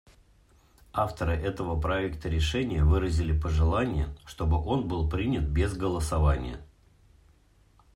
Авторы этого проекта решения выразили пожелание, чтобы он был принят без голосования.